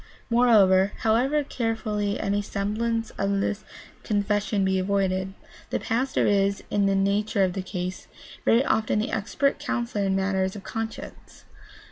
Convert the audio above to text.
Moreover, however carefully any semblance of the confessional be avoided, the pastor is, in the nature of the case, very often the expert counselor in matters of conscience.